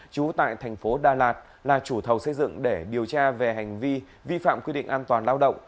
trú tại thành phố đà lạt là chủ thầu xây dựng để điều tra về hành vi vi phạm quy định an toàn lao động